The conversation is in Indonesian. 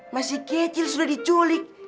masih kecil sudah diculik